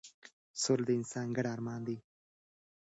سوله د انسان ګډ ارمان دی